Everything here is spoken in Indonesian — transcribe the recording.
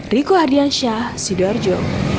riku ardiansyah sidoarjo